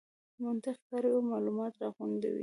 منطق کاروي او مالومات راغونډوي.